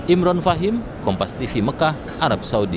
imron fahim kompas tv mekah arab saudi